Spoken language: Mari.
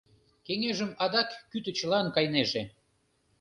Кеҥежым адак кӱтӱчылан кайнеже.